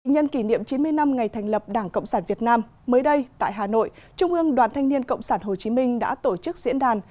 nhân kỷ niệm chín mươi năm ngày thành lập đảng cộng sản việt nam mới đây tại hà nội trung ương đoàn thanh niên cộng sản hồ chí minh đã tổ chức diễn đàn